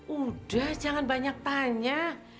udah jangan banyak tanya